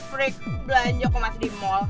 freak belanja kemas di mall